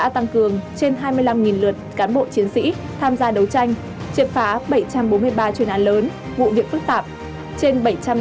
tham gia đấu tranh triệt phá bảy trăm bốn mươi ba chuyên án lớn vụ việc phức tạp